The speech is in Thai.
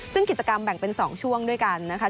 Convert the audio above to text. ซึ่งกิจกรรมแบ่งเป็น๒ช่วงด้วยกันนะคะ